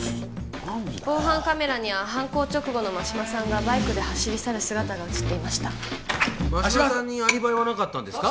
防犯カメラには犯行直後の真島さんがバイクで走り去る姿が写ってました真島さんにアリバイはないんですか？